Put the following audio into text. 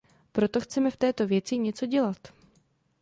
Proto chceme v této věci něco dělat.